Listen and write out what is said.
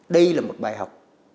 đây là một bài học